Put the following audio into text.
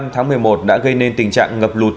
tháng một mươi một đã gây nên tình trạng ngập lụt